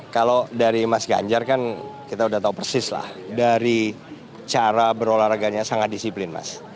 kalau dari mas ganjar kan kita udah tahu persis lah dari cara berolahraganya sangat disiplin mas